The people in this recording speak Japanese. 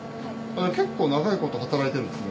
結構長いこと働いてるんですね。